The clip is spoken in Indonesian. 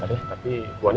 terima kasih nanti